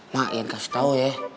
mak iyan kasih tau ya